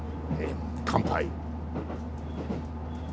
乾杯。